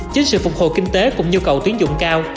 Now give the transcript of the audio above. chính sự phục hồi kinh tế cũng nhu cầu tuyến dụng cao